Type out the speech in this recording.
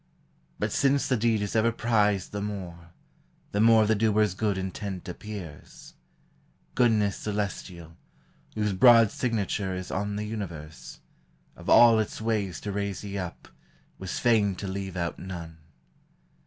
But since the deed is ever prized the more. The more the doer's good intent appears; Goodness celestial, whose broad signature Is on the universe, of all its ways To raise ye up, was fain to leave out none.